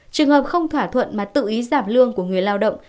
trường hợp không thỏa thuận mà tự ý giảm lương của người lao động